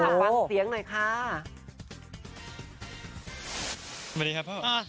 กระหับฟังเสียงหน่อยค่ะ